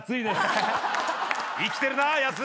生きてるなやす！